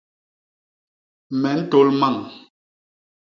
Me ntôl mañ.